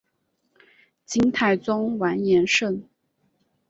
金太宗完颜晟。